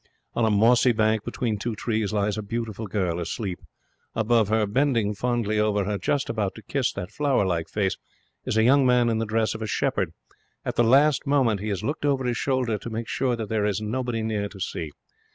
On a mossy bank, between two trees, lies a beautiful girl asleep. Above her, bending fondly over her, just about to kiss that flower like face, is a young man in the dress of a shepherd. At the last moment he has looked over his shoulder to make sure that there is nobody near to see.